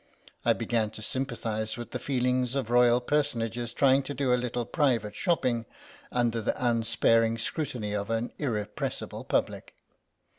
I began to sympathise with the feelings of Royal personages trying to do a little private shopping under the unsparing scrutiny of an irrepressible public.